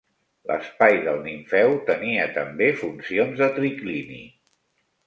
L'espai del nimfeu tenia també funcions de triclini.